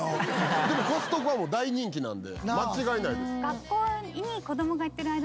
でもコストコはもう大人気なんで間違いないです。